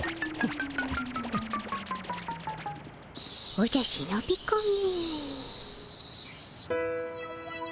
おじゃしのびこみ。